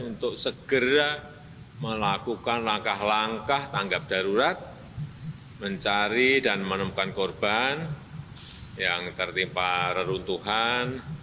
untuk segera melakukan langkah langkah tanggap darurat mencari dan menemukan korban yang tertimpa reruntuhan